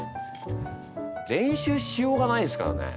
練習しようがないですからね。